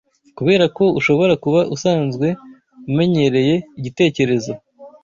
kubera ko ushobora kuba usanzwe umenyereye igitekerezo